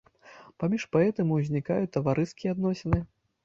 Паміж паэтамі узнікаюць таварыскія адносіны.